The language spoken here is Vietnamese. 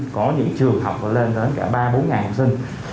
có những trường học lên đến cả ba bốn học sinh